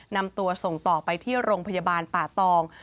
นำตัวส่งต่อไปที่โรงพยาบาลป่าตอง